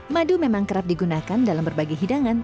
madu memang kerap digunakan dalam berbagai hidangan